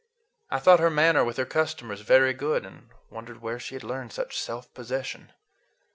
I thought her manner with her customers very good, and wondered where she had learned such self possession.